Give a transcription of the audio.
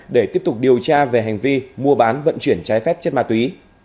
để tiếp tục điều tra về hành vi mua bán vận chuyển trái phép chất ma túy